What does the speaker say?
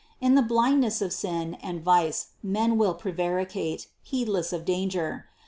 In the blindness of sin and vice men will prevaricate, heedless of danger.